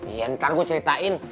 iya ntar gue ceritain